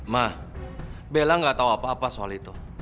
ma bella gak tau apa apa soal itu